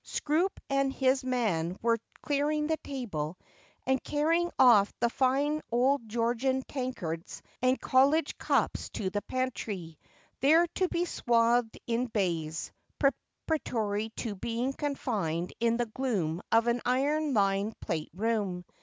Scroope and his man were clearing 362 Jtist as I Am. the table and carrying off the fine old Georgian tankards and college cups to the pantry, there to be swathed in baize, prepara tory to being confined in the gloom of an iron lined plate room.